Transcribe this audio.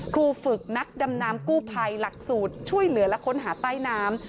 ครูฝึกนักดำน้ำกู้ภัยหลักสูตรช่วยเหลือและค้นหาใต้น้ำ